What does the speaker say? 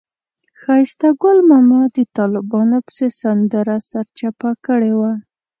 ښایسته ګل ماما د طالبانو پسې سندره سرچپه کړې وه.